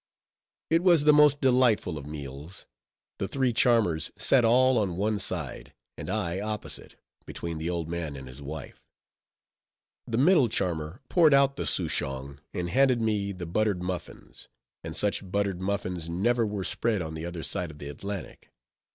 It was the most delightful of meals; the three charmers sat all on one side, and I opposite, between the old man and his wife. The middle charmer poured out the souchong, and handed me the buttered muffins; and such buttered muffins never were spread on the other side of the Atlantic.